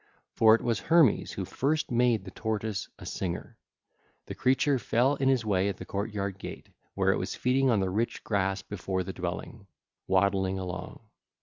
For it was Hermes who first made the tortoise a singer. The creature fell in his way at the courtyard gate, where it was feeding on the rich grass before the dwelling, waddling along.